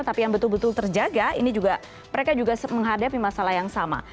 tapi yang betul betul terjaga ini mereka juga menghadapi masalah yang sama